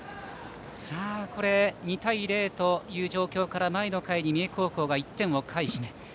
これ、２対０という状況から前の回に三重高校が１点返して。